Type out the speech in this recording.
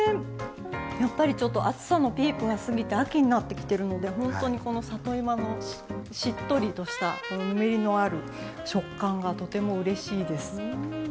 やっぱりちょっと暑さのピークが過ぎて秋になってきてるのでほんとにこの里芋のしっとりとしたこのぬめりのある食感がとてもうれしいです。